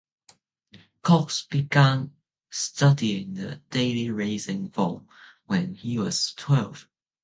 Cox began studying the "Daily Racing Form" when he was twelve.